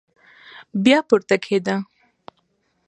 بيا پورته کېده.